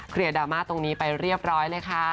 ครียะด่ามาส์ตรงนี้ไปเรียบร้อยเลยค่ะ